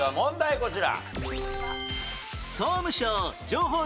こちら。